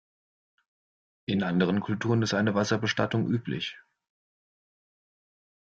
In anderen Kulturen ist eine Wasserbestattung üblich.